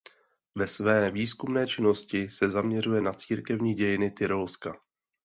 Ve své výzkumné činnosti se zaměřuje na církevní dějiny Tyrolska.